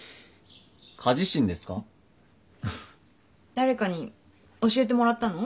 誰かに教えてもらったの？